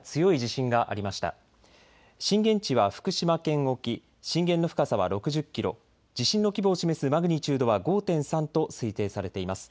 震源地は福島県沖、震源の深さは６０キロ、地震の規模を示すマグニチュードは５．３と推定されています。